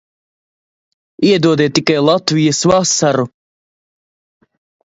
Iedodiet tikai Latvijas vasaru!